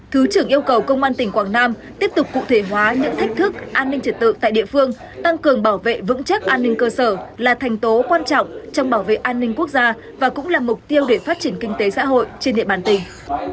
thứ trưởng yêu cầu công an tỉnh quảng nam tiếp tục cụ thể hóa những thách thức an ninh trật tự tại địa phương tăng cường bảo vệ vững chắc an ninh cơ sở là thành tố quan trọng trong bảo vệ an ninh quốc gia và cũng là mục tiêu để phát triển kinh tế xã hội trên địa bàn tỉnh